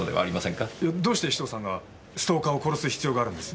どうして紫藤さんがストーカーを殺す必要があるんです？